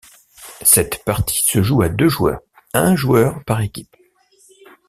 Cette partie se joue à deux joueurs, un joueur par équipe.